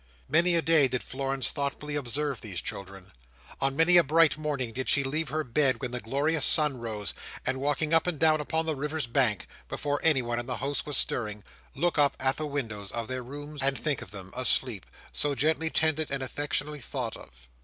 Many a day did Florence thoughtfully observe these children. On many a bright morning did she leave her bed when the glorious sun rose, and walking up and down upon the river's bank, before anyone in the house was stirring, look up at the windows of their rooms, and think of them, asleep, so gently tended and affectionately thought of.